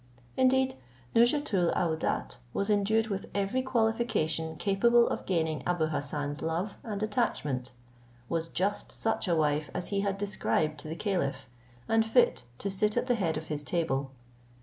Indeed, Nouzhatoul aouadat was endued with every qualification capable of gaining Abou Hassan's love and attachment, was just such a wife as he had described to the caliph, and fit to sit at the head of his table.